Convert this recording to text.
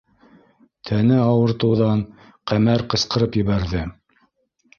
Тәне ауыртыуҙан Ҡәмәр ҡысҡырып ебәрҙе: